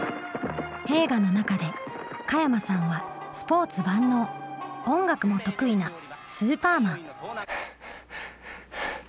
映画の中で加山さんはスポーツ万能音楽も得意なスーパーマン。